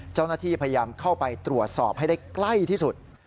เจ้าหน้าที่พยายามเข้าไปตรวจสอบให้ได้ใกล้ที่สุด